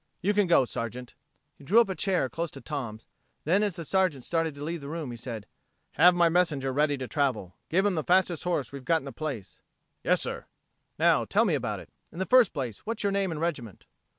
You can go, Sergeant." He drew a chair up close to Tom's; then as the Sergeant started to leave the room, he said, "Have my messenger ready to travel. Give him the fastest horse we've got in the place." "Yes, sir." "Now, tell me about it. In the first place, what's your name and regiment?"